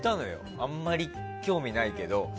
あまり興味ないけど。